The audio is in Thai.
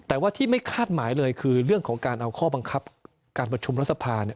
แต่ว่าที่ไม่คาดหมายเลยคือเรื่องของการเอาข้อบังคับการประชุมรัฐสภาเนี่ย